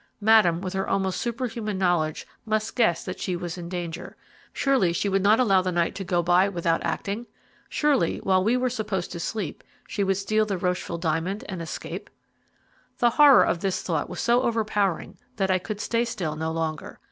Madame, with her almost superhuman knowledge, must guess that she was in danger. Surely, she would not allow the night to go by without acting? Surely, while we were supposed to sleep, she would steal the Rocheville diamond, and escape? The horror of this thought was so over powering that I could stay still no longer.